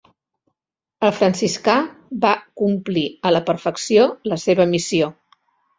El franciscà va complir a la perfecció la seva missió.